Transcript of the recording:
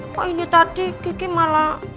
kok ini tadi gigi malah